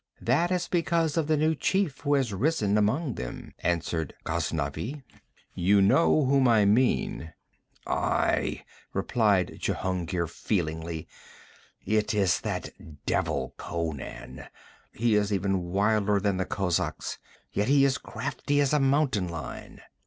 'That is because of the new chief who has risen among them,' answered Ghaznavi. 'You know whom I mean.' 'Aye!' replied Jehungir feelingly. 'It is that devil Conan; he is even wilder than the kozaks, yet he is crafty as a mountain lion.'